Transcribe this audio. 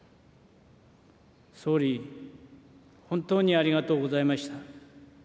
総理、本当にありがとうございました。